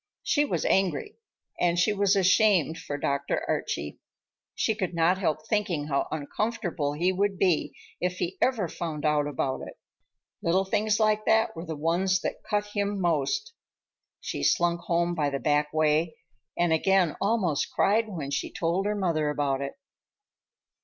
She was angry, and she was ashamed for Dr. Archie. She could not help thinking how uncomfortable he would be if he ever found out about it. Little things like that were the ones that cut him most. She slunk home by the back way, and again almost cried when she told her mother about it.